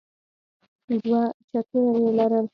دوه چتونه يې لرل.